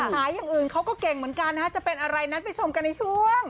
อย่างอื่นเขาก็เก่งเหมือนกันนะฮะจะเป็นอะไรนั้นไปชมกันในช่วง